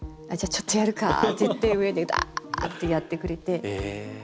「じゃあちょっとやるか」って言って上でダーってやってくれて。